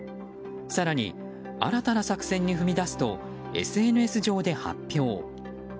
更に、新たな作戦に踏み出すとＳＮＳ上で発表。